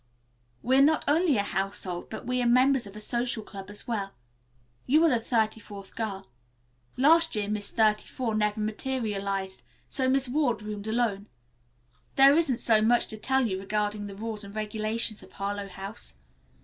"We are not only a household, but we are members of a social club as well. You are the thirty fourth girl. Last year Miss Thirty four never materialized, so Miss Ward roomed alone. There isn't so so much to tell you regarding the rules and regulations of Harlowe House.